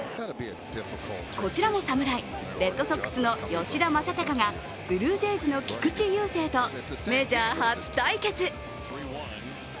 こちらも侍、レッドソックスの吉田正尚がブルージェイズの菊池雄星とメジャー初対決。